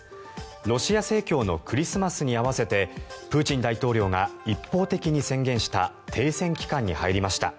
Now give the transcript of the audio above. ロシア正教のクリスマスに合わせて、プーチン大統領が一方的に宣言した停戦期間に入りました。